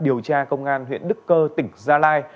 điều tra công an huyện đức cơ tỉnh gia lai